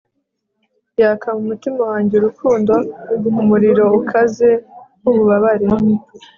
yaka mumutima wanjye urukundo-umuriro ukaze nkububabare